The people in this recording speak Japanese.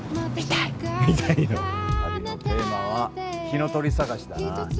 旅のテーマは火の鳥探しだな。